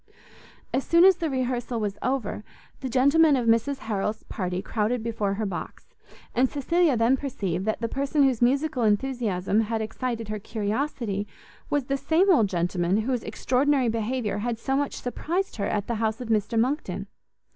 As soon as the rehearsal was over, the gentlemen of Mrs Harrel's party crowded before her box; and Cecilia then perceived that the person whose musical enthusiasm had excited her curiosity, was the same old gentleman whose extraordinary behaviour had so much surprized her at the house of Mr Monckton.